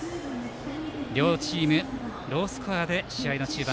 両チームロースコアで試合の中盤。